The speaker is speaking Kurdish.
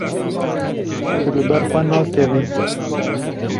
Tu li ber xwe nakevî.